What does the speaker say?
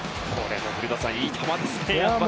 古田さん、いい球ですね。